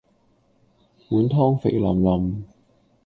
碗湯肥淋淋